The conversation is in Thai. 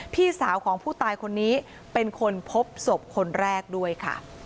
พี่สาวของผู้ตายคนนี้เป็นคนพบศพคนแรกด้วยค่ะ